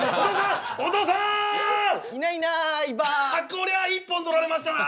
こりゃ一本取られましたな。